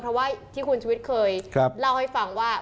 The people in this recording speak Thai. เพราะว่าที่คุณชวิตเคยเล่าให้ฟังว่า